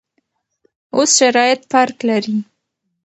اوس شرایط فرق لري.